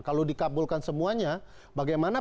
kalau dikabulkan semuanya bagaimana